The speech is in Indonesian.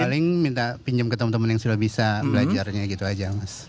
paling minta pinjam ke teman teman yang sudah bisa belajarnya gitu aja mas